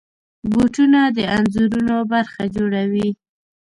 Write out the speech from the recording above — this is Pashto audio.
بوټونه د انځورونو برخه جوړوي.